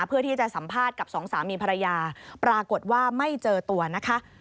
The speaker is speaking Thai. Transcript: เพื่อที่จะสัมภาษณ์กับสองสามีภรรยาปรากฏว่าไม่เจอตัวนะคะ